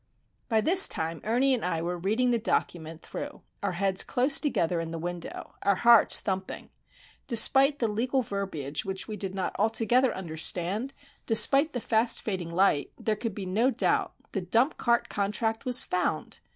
_" By this time Ernie and I were reading the document through, our heads close together in the window, our hearts thumping. Despite the legal verbiage which we did not altogether understand, despite the fast fading light, there could be no doubt. The Dump Cart Contract was found!